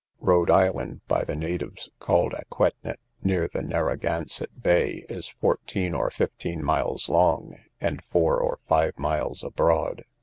Rhode island, by the natives called Aquetnet, near the Narraganset Bay, is fourteen or fifteen miles long, and four or five miles abroad.